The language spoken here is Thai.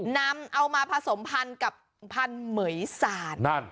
นำเอามาผสมพันธุ์กับพันธุ์เหมือยสารนั่น